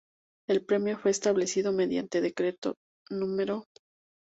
El Premio fue establecido mediante Decreto No.